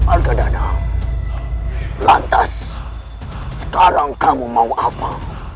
algadana lantas sekarang kamu mau apa